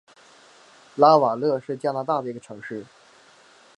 拉瓦勒是加拿大的一个城市。